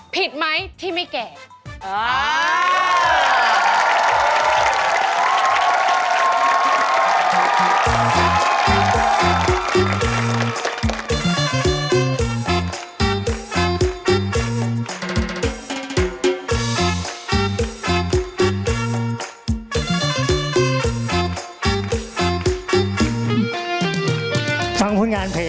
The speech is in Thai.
ผิดไหมที่ไม่แก่